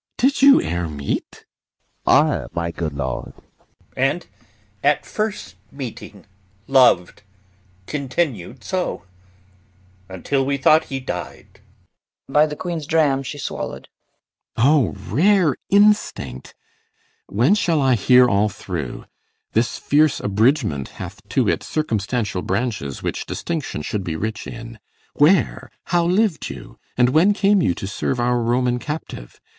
CYMBELINE. Did you e'er meet? ARVIRAGUS. Ay, my good lord. GUIDERIUS. And at first meeting lov'd, Continu'd so until we thought he died. CORNELIUS. By the Queen's dram she swallow'd. CYMBELINE. O rare instinct! When shall I hear all through? This fierce abridgment Hath to it circumstantial branches, which Distinction should be rich in. Where? how liv'd you? And when came you to serve our Roman captive?